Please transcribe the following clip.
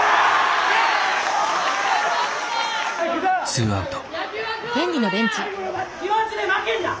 ツーアウト。